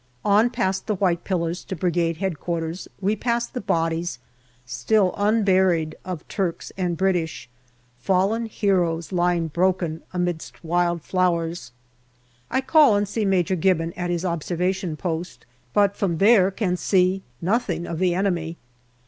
On past the white pillars to Brigade H.Q., we pass the bodies, still unburied, of Turks and British fallen heroes lying broken amidst wild flowers. I call and see Major Gibbon at his observation post, but from there can see nothing of the enemy.